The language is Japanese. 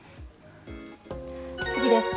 次です。